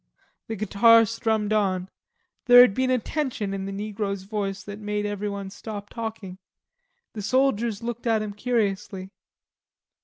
The guitar strummed on. There had been a tension in the negro's voice that had made everyone stop talking. The soldiers looked at him curiously.